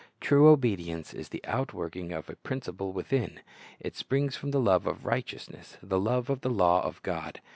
True obedience is the outworking of a principle within. It springs from the love of righteousness, the love of the law of God.